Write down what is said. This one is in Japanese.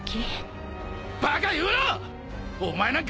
バカ言うな！